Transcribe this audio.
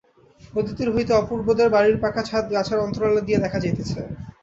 নদীতীর হইতে অপূর্বদের বাড়ির পাকা ছাদ গাছের অন্তরাল দিয়া দেখা যাইতেছে।